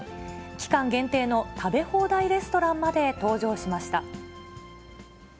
期間限定の食べ放題レストランまで登場しました。